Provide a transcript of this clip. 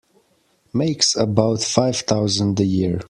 Makes about five thousand a year.